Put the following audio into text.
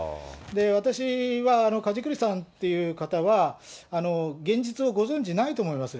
私は梶栗さんっていう方は、現実をご存じないと思います。